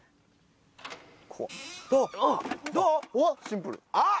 シンプル。